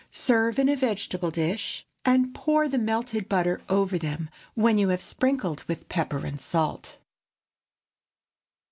Serve in a vegetable dish, and pour the melted butter over them when you have sprinkled with pepper and salt.